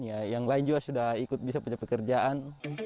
yang lain juga sudah bisa ikut punya pekerjaan